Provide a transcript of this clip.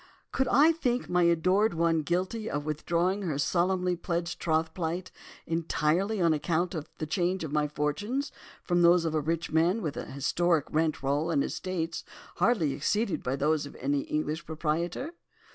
Could I think my adored one guilty of withdrawing from her solemnly pledged troth plight, entirely on account of the change in my fortunes from those of a rich man with an historic rent roll and estates hardly exceeded by those of any English proprietor?